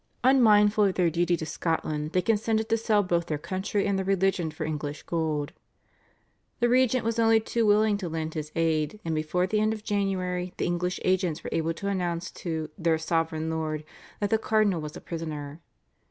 Unmindful of their duty to Scotland they consented to sell both their country and their religion for English gold. The regent was only too willing to lend his aid, and before the end of January the English agents were able to announce to "their Sovereign Lord" that the cardinal was a prisoner.